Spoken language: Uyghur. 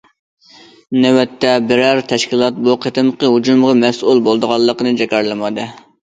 نۆۋەتتە بىرەر تەشكىلات بۇ قېتىمقى ھۇجۇمغا مەسئۇل بولىدىغانلىقىنى جاكارلىمىدى.